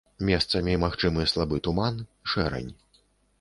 Месцамі магчымы слабы туман, шэрань.